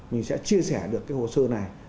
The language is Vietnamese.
mình sẽ chia sẻ được cái hồ sơ này